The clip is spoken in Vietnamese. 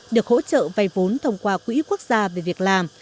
được hỗ trợ vay vốn thông qua quỹ quốc gia về việc làm